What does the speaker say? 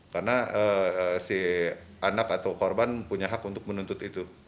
karena si anak atau korban punya hak untuk menuntut itu